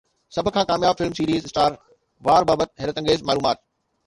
سڀ کان ڪامياب فلم سيريز، اسٽار وار بابت حيرت انگيز معلومات